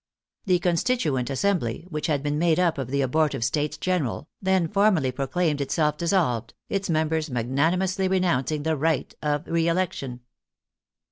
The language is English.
The Constituent Assembly, which had been made up of the abortive States General, then for mally proclaimed itself dissolved, its members magnani mously renouncing the right of reelection.